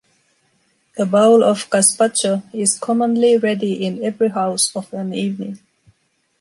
A bowl of gazpacho is commonly ready in every house of an evening.